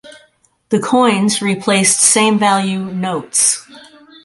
The coins replaced same value notes.